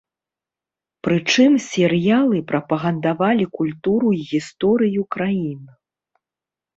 Прычым серыялы прапагандавалі культуру і гісторыю краін.